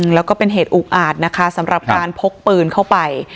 แล้วก็เป็นเหตุอุกอาจนะคะสำหรับการพกปืนเข้าไป